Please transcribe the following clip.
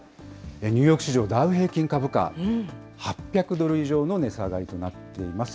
ニューヨーク市場ダウ平均株価、８００ドル以上の値下がりとなっています。